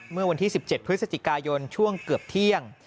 เมื่อวันที่๑๗พฤศจิกายนช่วงเกือบเที่ยง